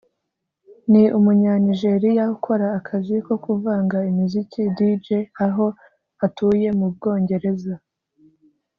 ni Umunyanigeriya ukora akazi ko kuvanga imiziki (Dj) aho atuye mu Bwongereza